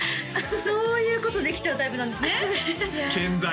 そういうことできちゃうタイプなんですね健在